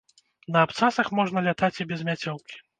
На абцасах можна лятаць і без мяцёлкі.